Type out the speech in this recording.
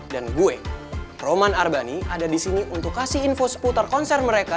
dan gue roman arbani ada di sini untuk kasih info seputar konser mereka